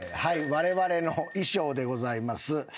われわれの衣装でございます。